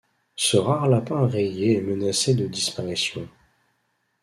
Ce rare lapin rayé est menacé de disparition.